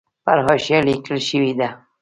پر حاشیه لیکل شوې ده.